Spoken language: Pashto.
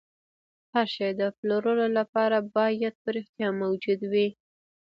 هر شی د پلورلو لپاره باید په رښتیا موجود وي